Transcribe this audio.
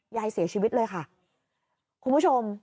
ยายเสียชีวิตเลยค่ะคุณผู้ชม